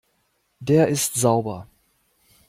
Der ist sauber.